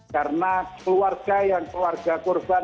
karena keluarga yang keluarga kurban